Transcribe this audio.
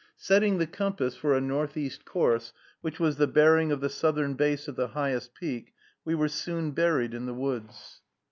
Setting the compass for a northeast course, which was the bearing of the southern base of the highest peak, we were soon buried in the woods.